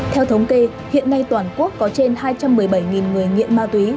theo thống kê hiện nay toàn quốc có trên hai trăm một mươi bảy người nghiện ma túy